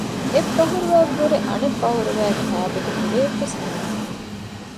އެއް ބަހުރުވައަށް ވުރެ އަނެއް ބަހުރުވައިގެ ހައިބަތު ކުޑައެއްވެސް ނޫން